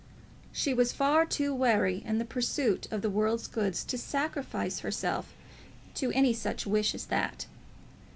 She was far too wary in the pursuit of the world's goods to sacrifice herself to any such wish as that.